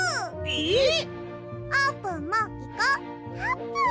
えっ！？